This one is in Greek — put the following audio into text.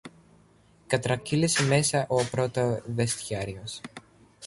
κατρακύλησε μέσα ο πρωτοβεστιάριος.